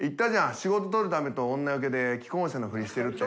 仕事取るためと女よけで既婚者のふりしてるって。